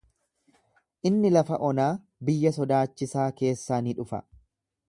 Inni lafa onaa, biyya sodaachisaa keessaa ni dhufa.